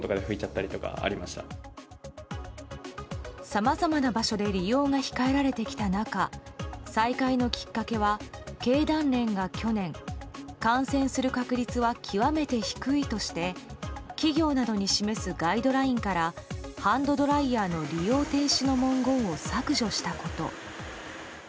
さまざまな場所で利用が控えられてきた中再開のきっかけは、経団連が去年感染する確率は極めて低いとして企業などに示すガイドラインからハンドドライヤーの利用停止の文言を削除したこと。